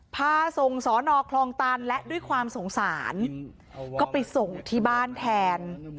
พาส่งสอนอคลองตันและด้วยความสงสารก็ไปส่งที่บ้านแทน